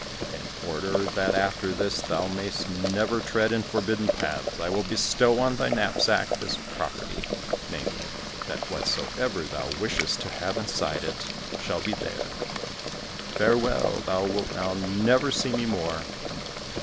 In order that after this thou mayst never tread in forbidden paths, I will bestow on thy knapsack this property, namely, that whatsoever thou wishest to have inside it, shall be there. Farewell, thou wilt now never see me more."